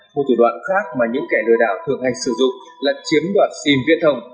một thủ đoạn khác mà những kẻ lừa đảo thường hay sử dụng là chiếm đoạt sim viễn thông